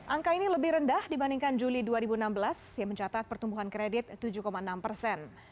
angka ini lebih rendah dibandingkan juli dua ribu enam belas yang mencatat pertumbuhan kredit tujuh enam persen